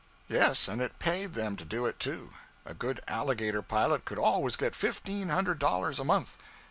Yes, and it paid them to do it, too. A good alligator pilot could always get fifteen hundred dollars a month.